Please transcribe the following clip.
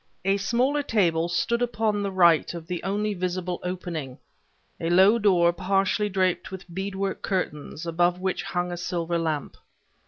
A smaller table stood upon the right of the only visible opening, a low door partially draped with bead work curtains, above which hung a silver lamp.